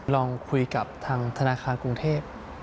ลองคุยกับทางธนาคารกรุงเทพ